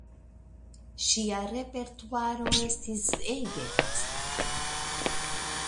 Ŝia repertuaro estis ege vasta.